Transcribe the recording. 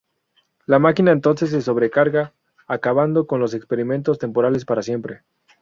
La máquina entonces se sobrecarga, acabando con los experimentos temporales para siempre.